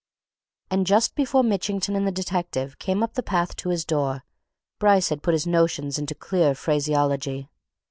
And just before Mitchington and the detective came up the path to his door, Bryce had put his notions into clear phraseology.